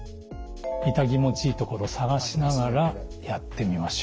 イタ気持ちいいところを探しながらやってみましょう。